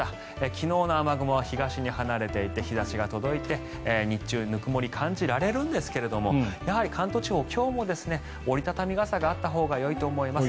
昨日の雨雲は東に離れていて日差しが届いて日中ぬくもり感じられるんですがやはり関東地方、今日も折り畳み傘があったほうがよいと思います。